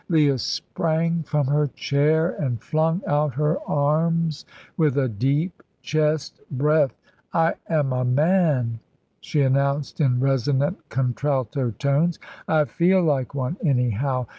Leah sprang from her chair and flung out her arms with a deep chest breath. "I am a man," she announced, in resonant contralto tones. "I feel like one, anyhow.